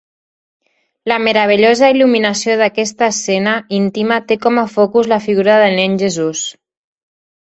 La meravellosa il·luminació d'aquesta escena intima té com a focus la figura del Nen Jesús.